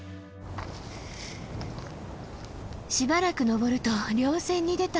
しばらく登ると稜線に出た。